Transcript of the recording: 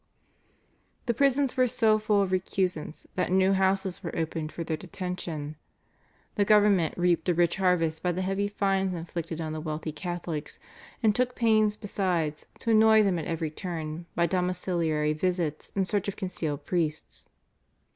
The prisons were so full of recusants that new houses were opened for their detention. The government reaped a rich harvest by the heavy fines inflicted on the wealthy Catholics and took pains, besides, to annoy them at every turn by domiciliary visits in search of concealed priests.